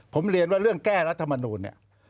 ผมเรียนว่าเรื่องแก้รัฐมนูลเนี่ย